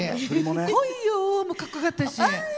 「こいよ」もかっこよかったし。